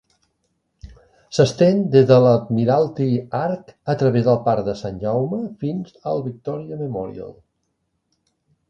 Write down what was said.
S'estén des de l'Admiralty Arch, a través del parc de Sant Jaume fins al Victoria Memorial.